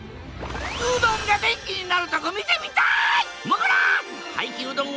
うどんが電気になるとこ見てみたい！